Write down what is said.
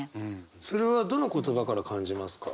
それはどの言葉から感じますか？